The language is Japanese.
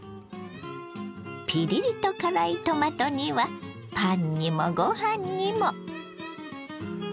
ピリリと辛いトマト煮はパンにもご飯にも。